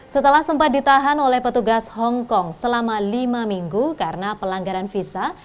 setelah sempat ditahan oleh petugas hongkong selama lima minggu karena pelanggaran visa